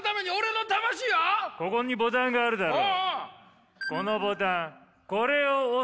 ここにボタンがあるだろう。